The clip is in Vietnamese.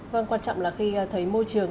vâng quan trọng là khi thấy môi trường